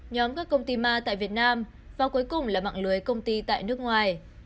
nhóm các công ty ma tại việt nam và cuối cùng là mạng lưới công ty tại nước ngoài